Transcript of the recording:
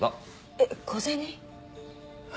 えっ小銭？